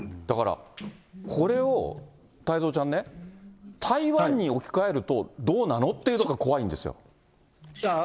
だからこれを太蔵ちゃんね、台湾に置き換えるとどうなのっていうところが怖いんですよ。